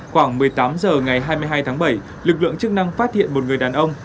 khoảng một mươi tám h ngày hai mươi hai tháng bảy lực lượng chức năng phát hiện một người đàn ông